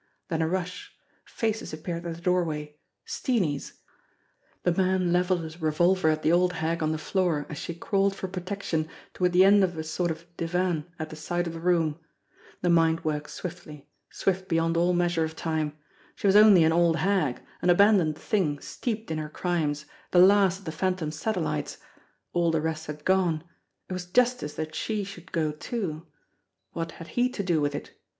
Then a rush ! Faces appeared at the doorway Steenie's ! The man levelled his revolver at the old hag on the floor as she crawled for pro tection toward the end of a sort of divan at the side of the room. The mind works swiftly, swift beyond all measure of time. She was only an old hag, an abandoned thing steeped in her crimes, the last of the Phantom's satellites all the rest had gone it was justice that she should go too. What had he to do with it?